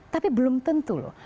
tapi belum tentu loh